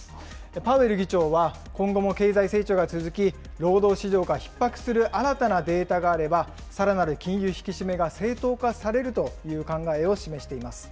パウエル議長は、今後も経済成長が続き、労働市場がひっ迫する新たなデータがあれば、さらなる金融引き締めが正当化されるという考えを示しています。